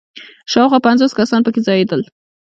شاوخوا پنځوس کسان په کې ځایېدل.